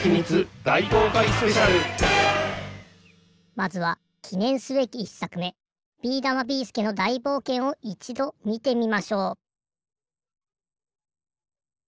まずはきねんすべき１さくめ「ビーだま・ビーすけの大冒険」をいちどみてみましょう。